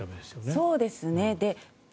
そうですね。